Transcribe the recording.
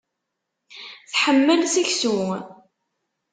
Tḥemmel seksu.